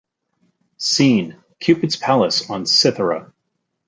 Scene: Cupid's palace on Cythera.